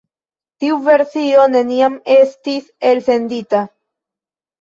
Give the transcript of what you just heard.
Tiu versio neniam estis elsendita.